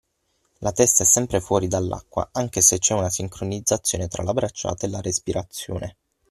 La testa è sempre fuori dall’acqua anche se c’è una sincronizzazione tra la bracciata e la respirazione.